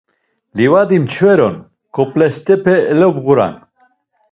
Livadi mç̌ver on, ǩop̌lestepe elabğuran.